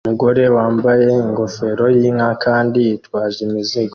Umugore wambaye ingofero yinka kandi yitwaje imizigo